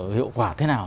hiệu quả thế nào